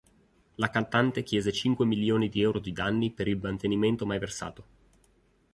La cantante chiese cinque milioni di euro di danni per il mantenimento mai versato.